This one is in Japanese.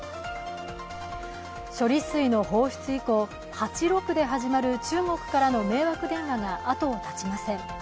処理水の放出以降、８６で始まる中国からの迷惑電話が後を絶ちません。